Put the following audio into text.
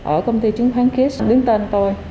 ở công ty chứng khoán kiss đứng tên tôi